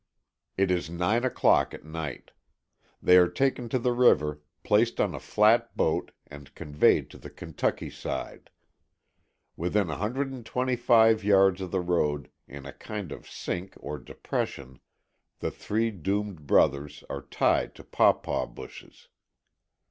It is nine o'clock at night. They are taken to the river, placed on a flat boat and conveyed to the Kentucky side. Within 125 yards of the road, in a kind of sink or depression, the three doomed brothers are tied to pawpaw bushes.